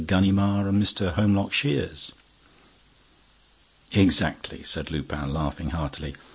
Ganimard and Mr. Holmlock Shears?" "Exactly," said Lupin, laughing heartily.